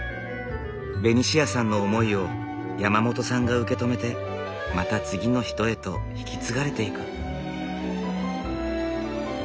ベニシアさんの思いを山本さんが受け止めてまた次の人へと引き継がれていく。